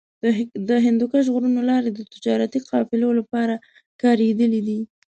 د هندوکش غرونو لارې د تجارتي قافلو لپاره کارېدلې دي.